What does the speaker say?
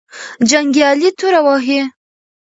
جنګیالي توره وهې.